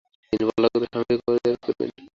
তিনি পরলোকগত স্বামীর কবর যেয়ারত করবেন।